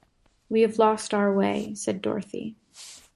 "We have lost our way," said Dorothy.